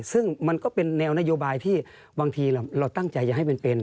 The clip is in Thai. ซึ่งมันก็เป็นแนวนโยบายที่บางทีเราตั้งใจจะให้เป็น